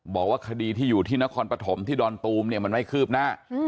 บอกว่าคดีที่อยู่ที่นครปฐมที่ดอนตูมเนี่ยมันไม่คืบหน้า